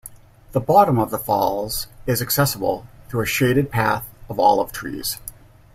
The bottom of the falls is accessible through a shaded path of olive trees.